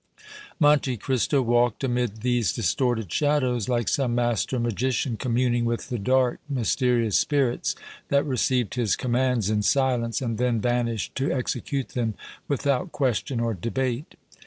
Monte Cristo walked amid these distorted shadows like some master magician communing with the dark, mysterious spirits that received his commands in silence and then vanished to execute them without question or debate.